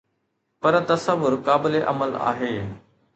پر تصور قابل عمل آهي